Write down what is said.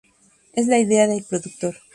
Esa es la idea del productor.